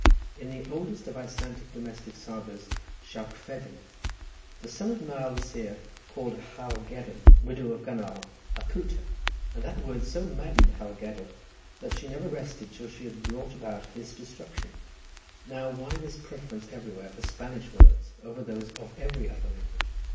In the oldest of Icelandic domestic sagas, Skarphedin, the son of Nial the seer, called Hallgerdr, widow of Gunnar, a puta—and that word so maddened Hallgerdr, that she never rested till she had brought about his destruction. Now, why this preference everywhere for Spanish words, over those of every other language?